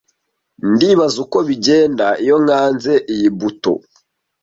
Ndibaza uko bigenda iyo nkanze iyi buto.